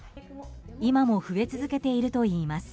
今も増え続けているといいます。